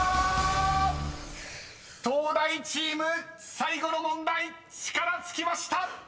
［東大チーム最後の問題力尽きました！］